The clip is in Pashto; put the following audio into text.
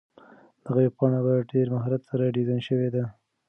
دغه ویبپاڼه په ډېر مهارت سره ډیزاین شوې ده.